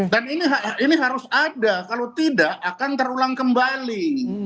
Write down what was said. dan ini harus ada kalau tidak akan terulang kembali